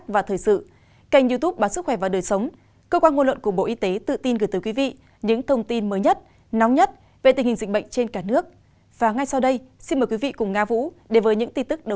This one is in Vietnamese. và ngay sau đây xin mời quý vị cùng nga vũ đề với những tin tức đầu tiên